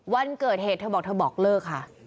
วันเกิดเหตุเธอบอกเธอบอกเลิกค่ะ